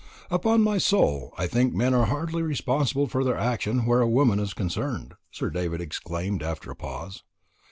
"Upon my soul, I think men are hardly responsible for their actions where a woman is concerned," Sir David exclaimed after a pause.